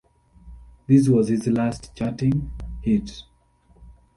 This was his last charting hit.